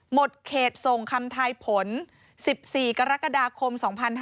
หมดเขตส่งคำทายผล๑๔กรกฎาคม๒๕๕๙